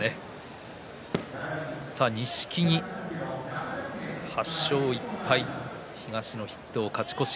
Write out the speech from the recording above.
錦木、８勝１敗東の筆頭、勝ち越し。